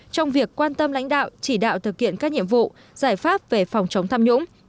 trong việc quan tâm lãnh đạo chỉ đạo thực hiện các nhiệm vụ giải pháp về phòng chống tham nhũng